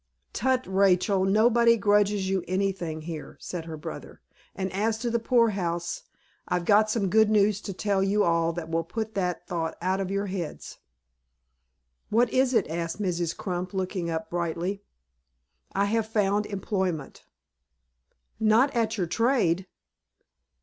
"Tut, Rachel, nobody grudges you anything here," said her brother, "and as to the poor house, I've got some good news to tell you that will put that thought out of your heads." "What is it?" asked Mrs. Crump, looking up brightly. "I have found employment." "Not at your trade?"